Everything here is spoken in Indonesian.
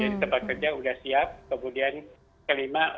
jadi sempat kerja sudah siap kemudian kelima